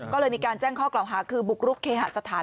ก็เลยมีการแจ้งข้อกล่าวหาคือบุกรุกเคหสถาน